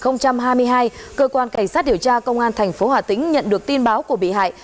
năm hai nghìn hai mươi hai cơ quan cảnh sát điều tra công an tp hà tĩnh nhận được tin báo của bị hại